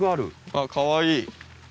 あっかわいい。